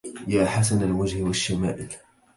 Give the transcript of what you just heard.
يا حسن الوجه والشمائل